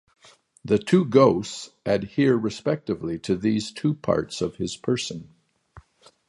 The two ghosts adhere respectively to these two parts of his person.